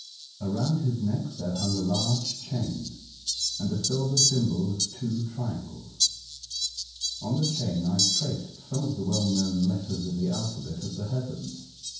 Around his neck there Tycho Island, 111 hung a large chain, and a silver symbol of two trianerles. On the chain I traced some of the well known letters of the alphabet of the heavens.